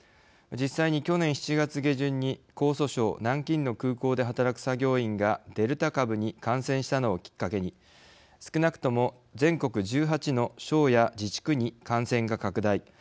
実際に去年７月下旬に江蘇省南京の空港で働く作業員がデルタ株に感染したのをきっかけに少なくとも全国１８の省や自治区に感染が拡大。